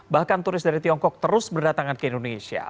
bahkan turis dari tiongkok terus berdatangan ke indonesia